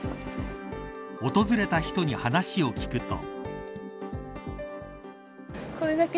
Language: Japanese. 訪れた人に話を聞くと。